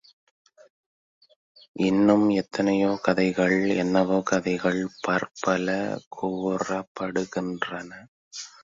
இன்னும் எத்தனையோ கதைகள் என்னவோ கதைகள் பற்பல கூறப்படுகின்றன.